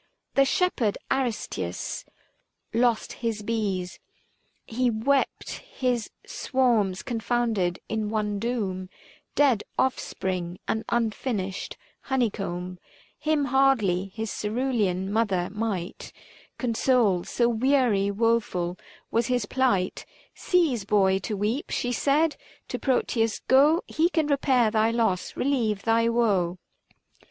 The shepherd Aristseus lost his bees ; He wept his swarms confounded in one doom Dead offspring, and unfinished honeycomb : Him hardly his cerulean mother might 395 Console, so weary woeful was his plight : Cease boy to weep, she said ; to Proteus go, He can repair thy loss, relieve thy woe ; 16 THE FASTI.